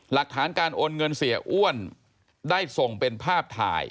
หลักฐานการโอนเงินเสียอ้วนได้ส่งเป็นภาพถ่าย